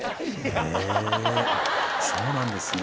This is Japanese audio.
へえそうなんですね。